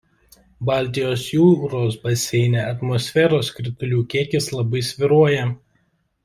Baltijos jūros baseine atmosferos kritulių kiekis labai svyruoja.